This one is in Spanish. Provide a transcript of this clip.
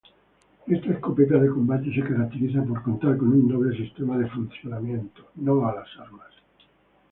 Esta escopeta de combate se caracteriza por contar con un doble sistema de funcionamiento.